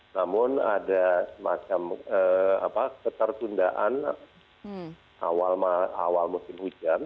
namun ada semacam ketertundaan awal musim hujan